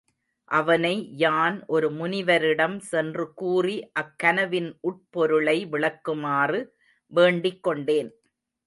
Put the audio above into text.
அவனை யான் ஒரு முனிவரிடம் சென்று கூறி அக் கனவின் உட்பொருளை விளக்குமாறு வேண்டிக்கொண்டேன்.